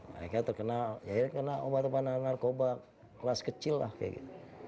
mereka terkenal ya kena obat obatan narkoba kelas kecil lah kayak gitu